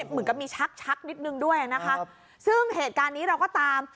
เหมือนกับมีชักชักนิดนึงด้วยนะคะซึ่งเหตุการณ์นี้เราก็ตาม